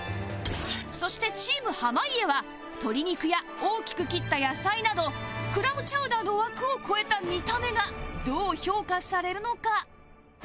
そしてチーム濱家は鶏肉や大きく切った野菜などクラムチャウダーの枠を超えた見た目がどう評価されるのか？